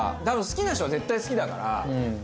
多分好きな人は絶対好きだから。